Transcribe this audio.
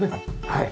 はい。